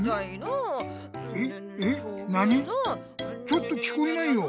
ちょっと聞こえないよ。